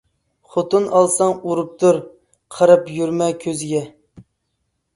خوتۇن ئالساڭ ئۇرۇپ تۇر، قاراپ يۈرمە كۆزىگە.